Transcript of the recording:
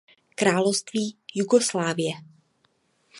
Království Jugoslávie.